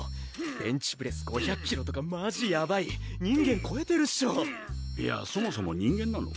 ベンチプレス５００ｋｇとかマジやばい人間こえてるっしょいやそもそも人間なの？